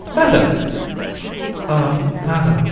Madam! JU. Ah! Madam!